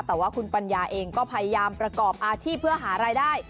แต่ว่าคุณปัญญาเองก็พยายามประกอบอาชีพเพื่อหารายได้